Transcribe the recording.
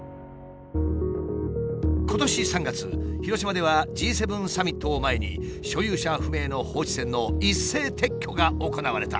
今年３月広島ではＧ７サミットを前に所有者不明の放置船の一斉撤去が行われた。